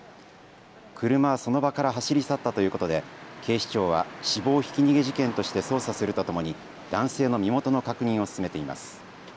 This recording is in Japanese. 車はその場から走り去ったということで警視庁は死亡ひき逃げ事件として捜査するとともに男性の身元の確認を進めています。